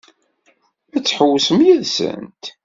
Ad tḥewwsemt yid-sent?